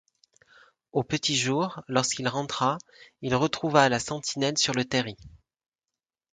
Au petit jour, lorsqu’il rentra, il retrouva la sentinelle sur le terri.